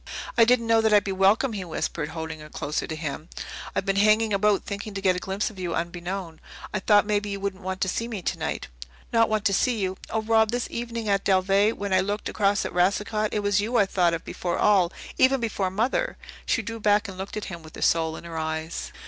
"I didn't know that I'd be welcome," he whispered, holding her closer to him. "I've been hanging about thinking to get a glimpse of you unbeknown. I thought maybe you wouldn't want to see me tonight." "Not want to see you! Oh, Rob, this evening at Dalveigh, when I looked across to Racicot, it was you I thought of before all even before Mother." She drew back and looked at him with her soul in her eyes.